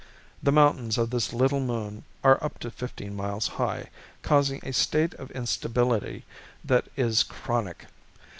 The mountains of this little moon are up to fifteen miles high, causing a state of instability that is chronic.